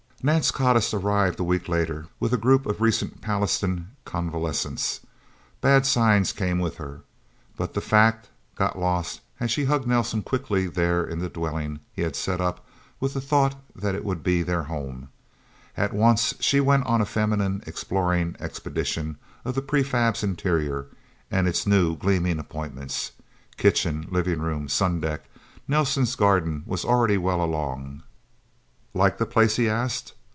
Nance Codiss arrived a week later, with a group of recent Pallastown convalescents. Bad signs came with her, but that fact got lost as she hugged Nelsen quickly there in the dwelling he had set up with the thought it would be their home. At once she went on a feminine exploring expedition of the prefab's interior, and its new, gleaming appointments. Kitchen, living room, sundeck. Nelsen's garden was already well along. "Like the place?" he asked.